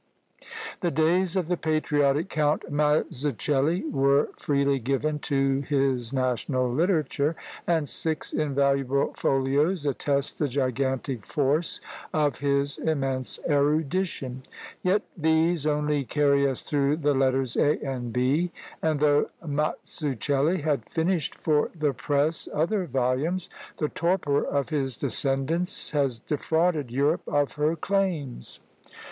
The days of the patriotic Count Mazzuchelli were freely given to his national literature; and six invaluable folios attest the gigantic force of his immense erudition; yet these only carry us through the letters A and B: and though Mazzuchelli had finished for the press other volumes, the torpor of his descendants has defrauded Europe of her claims.